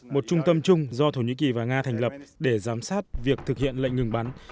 một trung tâm chung do thổ nhĩ kỳ và nga thành lập để giám sát việc thực hiện lệnh ngừng bắn